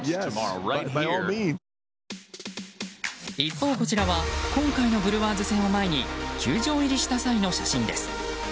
一方、こちらは今回のブルワーズ戦を前に球場入りした際の写真です。